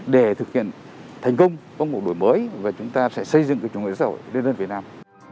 để thực hiện thành công công cuộc đổi mới và chúng ta sẽ xây dựng cái chủ nghĩa xã hội đơn đơn việt nam